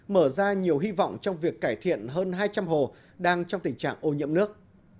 mở ra nhiều hy vọng trong việc cải thiện hơn hai trăm linh hồ đang trong tình trạng ô nhiễm nước